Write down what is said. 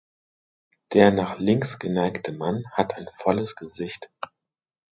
Der nach links geneigte Mann hat ein volles Gesicht.